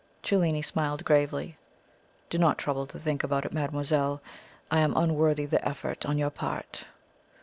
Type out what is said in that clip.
Cellini smiled gravely. "Do not trouble to think about it, mademoiselle. I am unworthy the effort on your part."